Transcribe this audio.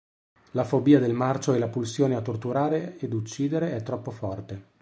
La fobia del marcio e la pulsione a torturare ed uccidere è troppo forte.